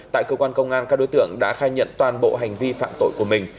tại cơ quan công an các đối tượng đã khai nhận toàn bộ hành vi phạm tội của mình